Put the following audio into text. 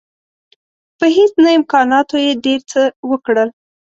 په هیڅ نه امکاناتو یې ډېر څه وکړل.